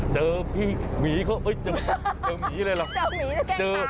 เจอผีเหมียเขาเหมียอะไรเหรอ